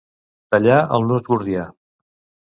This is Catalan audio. Tallar el nus gordià.